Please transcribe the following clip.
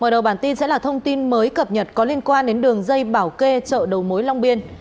mở đầu bản tin sẽ là thông tin mới cập nhật có liên quan đến đường dây bảo kê chợ đầu mối long biên